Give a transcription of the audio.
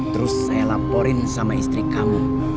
terus saya laporin sama istri kamu